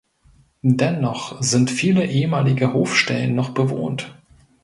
Dennoch sind viele ehemalige Hofstellen noch bewohnt.